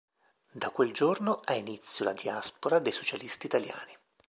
Da quel giorno ha inizio la diaspora dei socialisti italiani.